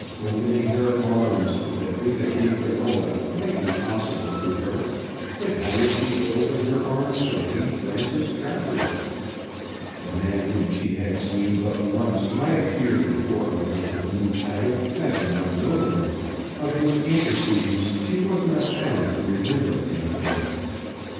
Opening her arms to the Duca di Crinola might be possible to her. But how was she to open her arms to Lady Frances Trafford? The man whom she had seen but once might appear before her with his new title as a young nobleman of whose antecedents she was not bound to remember anything.